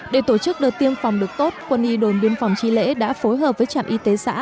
để tổ chức đợt tiêm phòng được tốt quân y đồn biên phòng tri lễ đã phối hợp với trạm y tế xã